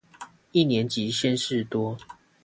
一年級鮮事多